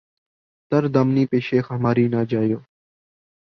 ''تر دامنی پہ شیخ ہماری نہ جائیو